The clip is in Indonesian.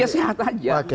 ya sehat aja